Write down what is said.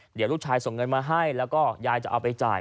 เดี๋ยวลูกชายส่งเงินมาให้แล้วก็ยายจะเอาไปจ่าย